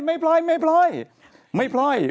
ไม่พลอยถึงจริงอย่าพูด